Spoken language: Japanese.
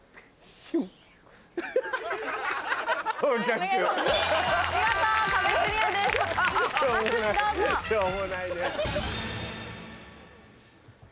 しょうもないね。